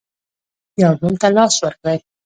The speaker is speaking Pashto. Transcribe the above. یو بل ته لاس ورکړئ